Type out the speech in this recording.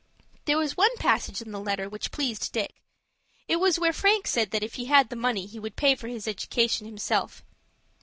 There was one passage in the letter which pleased Dick. It was where Frank said that if he had the money he would pay for his education himself.